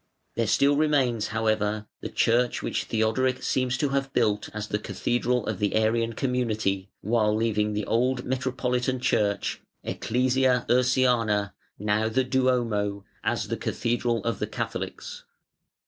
There still remains, however, the church which Theodoric seems to have built as the cathedral of the Arian community, while leaving the old metropolitan church (Ecclesia Ursiana, now the Duomo) as the cathedral of the Catholics.